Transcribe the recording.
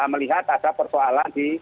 melihat ada persoalan di